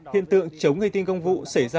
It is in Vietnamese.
hiện tượng chống gây tinh công vụ xảy ra